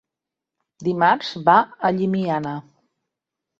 Dimarts va a Llimiana.